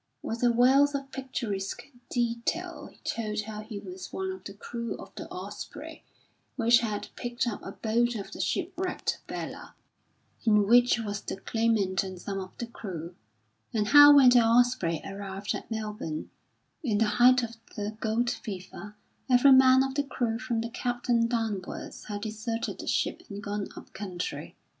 With a wealth of picturesque detail he told how he was one of the crew of the Osprey which had picked up a boat of the shipwrecked Bella, in which was the claimant and some of the crew, and how when the Osprey arrived at Melbourne, in the height of the gold fever, every man of the crew from the captain downwards had deserted the ship and gone up country.